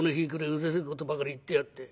うるせえことばかり言ってやがって。